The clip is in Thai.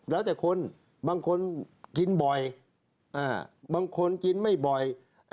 แล้วแต่คนบางคนกินบ่อยบางคนกินไม่บ่อย